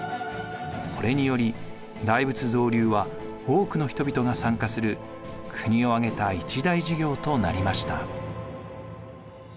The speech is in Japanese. これにより大仏造立は多くの人々が参加する国を挙げた一大事業となりました。